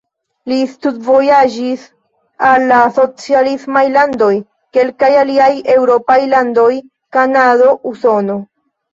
Li studvojaĝis al la socialismaj landoj, kelkaj aliaj eŭropaj landoj, Kanado, Usono.